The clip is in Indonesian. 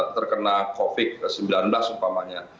terkena covid sembilan belas umpamanya